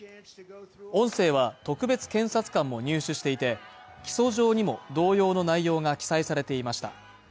音声は、特別検察官も入手していて、起訴状にも同様の内容が記載されていました。